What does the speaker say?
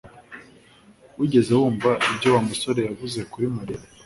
Wigeze wumva ibyo Wa musore yavuze kuri Mariya